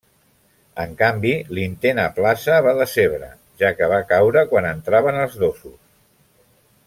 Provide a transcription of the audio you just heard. En canvi, l'intent a plaça va decebre, ja que va caure quan entraven els dosos.